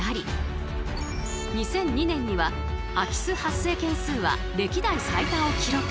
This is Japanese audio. ２００２年には空き巣発生件数は歴代最多を記録。